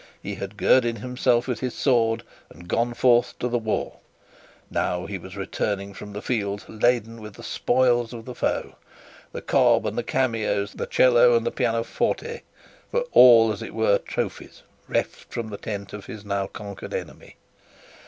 He had girded himself with his sword, and gone forth to the war; now he was returning from the field laden with the spoils of the foe. The cob, the cameos, the violoncello and the pianoforte, were all as it were trophies reft from the tent of his now conquered enemy.